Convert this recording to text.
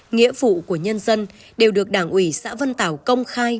nghĩa phụ của nhân dân đều được đảng ủy xã vân tảo công khai